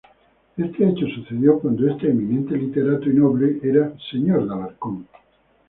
Este hecho sucedió cuando este eminente literato y noble era señor de Alarcón.